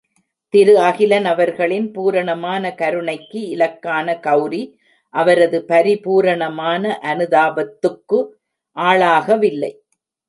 திரு அகிலன் அவர்களின் பூரணமான கருணை க்கு இலக்கான கெளரி அவரது பரிபூரணமான அனுதாபத்துக்கு ஆளாகவில்லை.